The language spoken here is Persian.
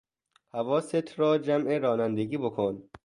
حواست را جمع رانندگی بکن!